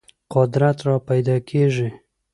قدرت راپیدا کېږي.